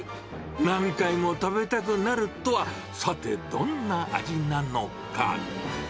何回も食べたくなるとは、さて、どんな味なのか。